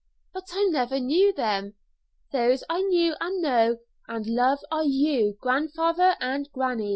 But I never knew them. Those I knew and know and love are you, grandfather, and granny."